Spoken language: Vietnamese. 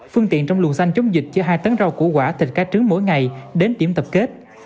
phương tiện trong luồng xanh chống dịch cho hai tấn rau củ quả thịt cá trứng mỗi ngày đến điểm tập kết